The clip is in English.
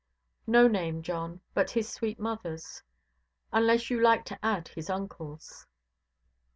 "No name, John, but his sweet motherʼs; unless you like to add his uncleʼs".